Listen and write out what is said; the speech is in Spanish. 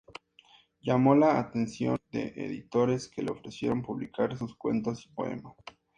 Llamó la atención de editores que le ofrecieron publicar sus cuentos y poemas.